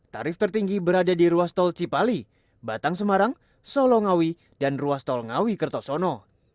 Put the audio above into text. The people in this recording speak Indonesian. tarif tertinggi berada di ruas tol cipali batang semarang solongawi dan ruas tol ngawi kertosono